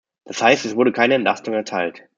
Das heißt, es wurde keine Entlastung erteilt.